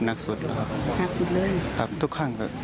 ที่สุดเลยครับ